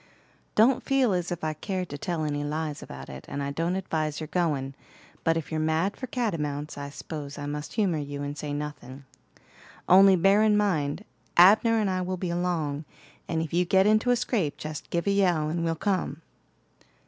"Don't feel as if I cared to tell any lies about it, and I don't advise your goin'; but if you're mad for catamounts, I s'pose I must humor you and say nothing. Only bear in mind, Abner and I will be along, and if you get into a scrape jest give a yell and we'll come."